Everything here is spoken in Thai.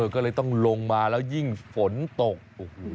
ก็เลยต้องลงมาแล้วยิ่งฝนตก